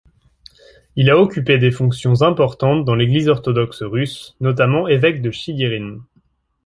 Il a occupé des fonctions importantes dans l'Église orthodoxe russe notamment évêque de Chigirin.